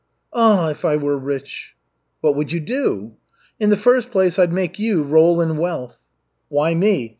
Ah, if I were rich!" "What would you do?" "In the first place, I'd make you roll in wealth." "Why me?